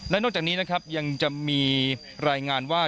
นอกจากนี้นะครับยังจะมีรายงานว่า